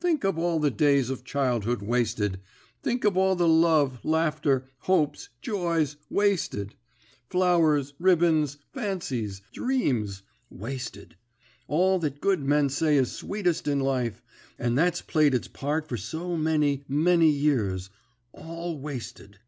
Think of all the days of childhood wasted; think of all the love, laughter, hopes, joys wasted; flowers, ribbons, fancies, dreams wasted; all that good men say is sweetest in life, and that's played its part for so many, many years all wasted.